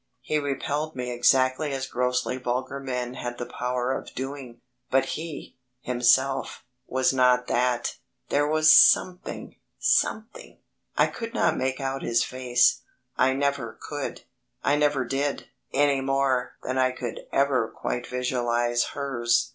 He repelled me exactly as grossly vulgar men had the power of doing, but he, himself, was not that there was something ... something. I could not quite make out his face, I never could. I never did, any more than I could ever quite visualise hers.